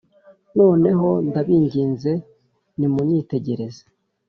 noneho ndabinginze nimunyitegereze,